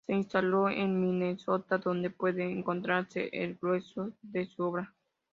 Se instaló en Minnesota, donde puede encontrarse el grueso de su obra.